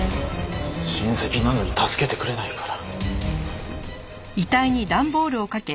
親戚なのに助けてくれないから。